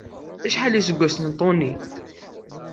Acḥal iseggasen n Tony?